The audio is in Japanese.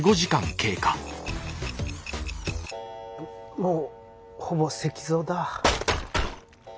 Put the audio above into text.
もうほぼ石像だ。